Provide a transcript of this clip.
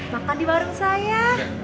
makan di warung saya